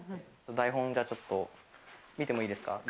台本をちょっと見てもいいですか？